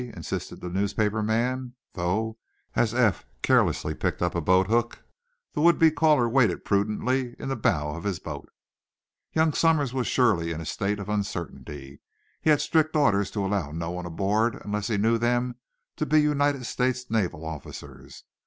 insisted the newspaper man, though, as Eph carelessly picked up a boathook, the would be caller waited prudently in the bow of his boat. Young Somers was surely in a state of uncertainty. He had strict orders to allow no one aboard unless he knew them to be United States naval officers.